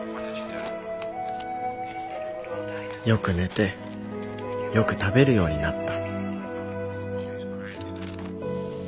よく寝てよく食べるようになった